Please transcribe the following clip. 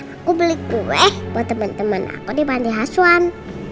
aku beli kue buat temen temen aku di panti aswan